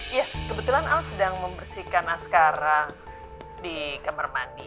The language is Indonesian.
iya kebetulan al sedang membersihkan askara di kamar mandi